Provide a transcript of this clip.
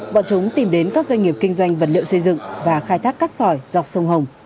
bọn chúng tìm đến các doanh nghiệp kinh doanh vật liệu xây dựng và khai thác cát sỏi dọc sông hồng